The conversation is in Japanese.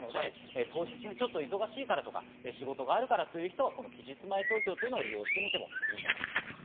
当日ちょっと忙しいからとか仕事があるからという方は期日前投票を利用してみてもいいんじゃないでしょうか。